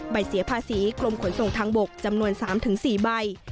เสียภาษีกรมขนส่งทางบกจำนวน๓๔ใบ